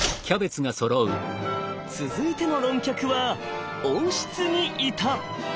続いての論客は温室にいた。